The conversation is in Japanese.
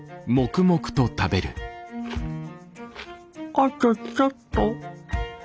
あとちょっと。